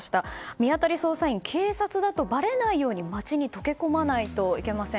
見当たり捜査員警察だとばれないように街に溶け込まないといけません。